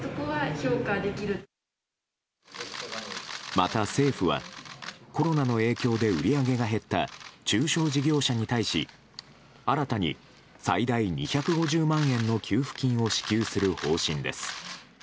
また、政府はコロナの影響で売り上げが減った中小事業者に対し、新たに最大２５０万円の給付金を支給する方針です。